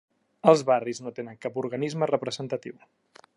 Els barris no tenen cap organisme representatiu.